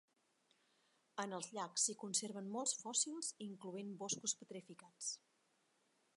En els llacs s'hi conserven molts fòssils incloent boscos petrificats.